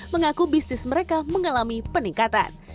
mengaku bisnis mereka mengalami peningkatan